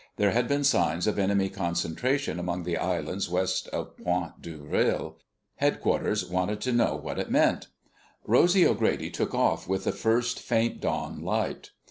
There had been signs of enemy concentration among the islands west of Point D'Urville. Headquarters wanted to learn what it meant. Rosy O'Grady took off with the first faint dawn light.